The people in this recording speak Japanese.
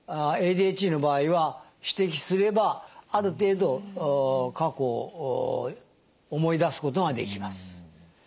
ＡＤＨＤの場合は指摘すればある程度過去を思い出すことができます。